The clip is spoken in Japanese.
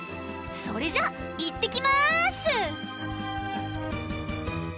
それじゃあいってきます！